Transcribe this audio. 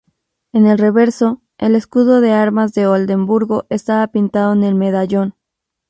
En el reverso, el escudo de armas de Oldenburgo estaba pintado en el medallón.